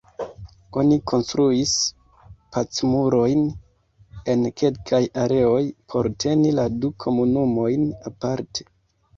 Oni konstruis "Pacmurojn" en kelkaj areoj por teni la du komunumojn aparte.